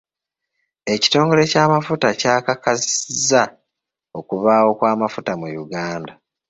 Ekitongole ky'amafuta kyakakasizza okubaawo kw'amafuta mu Uganda.